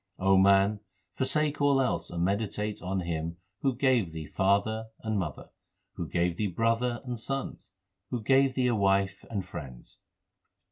O man, forsake all else and meditate on Him Who gave thee father and mother, Who gave thee brother and sons, Who gave thee a wife and friends.